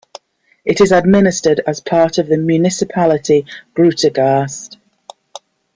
It is administered as part of the municipality Grootegast.